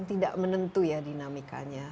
tidak menentu ya dinamikanya